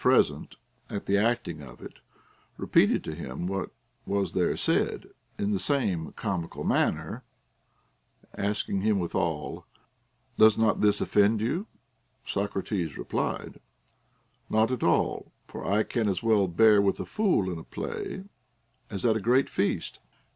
ent at the acting of it, repeated to him what was there said in the same comical manner, asking him Avithal, Does not this offend you, Socrates? — repUed: Not at all, for I can as well bear with a fool in a play as at a great feast.